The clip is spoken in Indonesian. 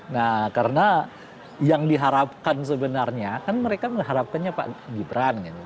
nah karena yang diharapkan sebenarnya kan mereka mengharapkannya pak gibran gitu